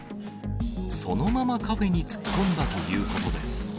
そのままカフェに突っ込んだということです。